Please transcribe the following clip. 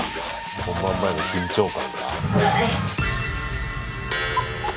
本番前の緊張感か？